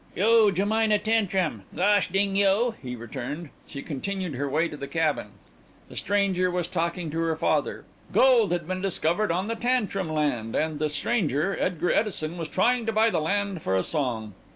"Yo! Jemina Tantrum. Gosh ding yo'!" he returned. She continued her way to the cabin. The stranger was talking to her father. Gold had been discovered on the Tantrum land, and the stranger, Edgar Edison, was trying to buy the land for a song.